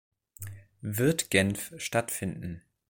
Wird Genf stattfinden?